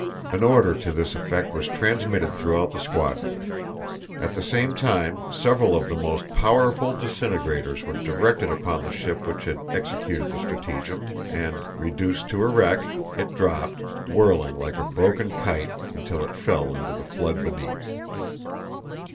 An order to this effect was transmitted throughout the squadron. At the same time several of the most powerful disintegrators were directed upon the ship which had executed the stratagem and, reduced to a wreck, it dropped, whirling like a broken kite until it fell into the flood beneath.